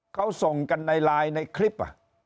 เขาส่งกันในไลน์ในคลิป